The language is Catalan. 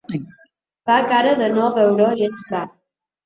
Fa cara de no veure-ho gens clar.